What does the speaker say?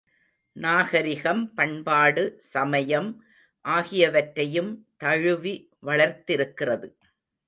நாகரிகம், பண்பாடு, சமயம் ஆகியவற்றையும் தழுவி வளர்ந்திருக்கிறது.